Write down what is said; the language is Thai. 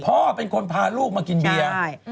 พ่อเป็นคนพาลูกมากินเบียร์